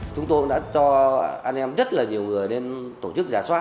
chúng tôi đã cho anh em rất là nhiều người lên tổ chức giả soát